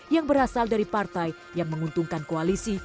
yang berasal dari partai yang menguntungkan koalisi